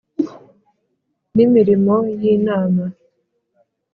N imirimo y inama